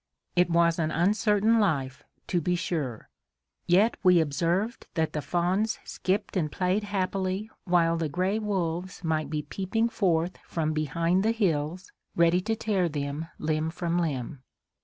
It was an uncertain life, to be sure. Yet we observed that the fawns skipped and played happily while the gray wolves might be peeping forth from behind the hills, ready to tear them limb from limb.